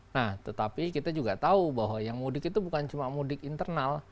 nah tetapi kita juga tahu bahwa yang mudik itu bukan cuma mudik internal